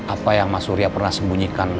apa yang mas surya pernah sembunyikan